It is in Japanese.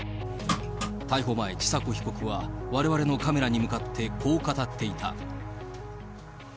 逮捕前、千佐子被告は、われわれのカメラに向かってこう語っていた。